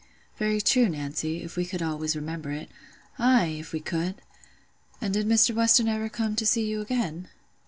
"Very true, Nancy, if we could always remember it." "Ay, if we could!" "And did Mr. Weston ever come to see you again?"